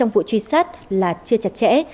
bắt là chưa chặt chẽ